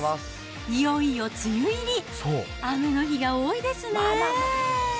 いよいよ梅雨入り、雨の日が多いですね。